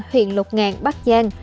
huyện lục ngàn bắc giang